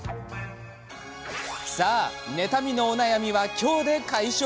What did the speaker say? さあ、妬みのお悩みは今日で解消。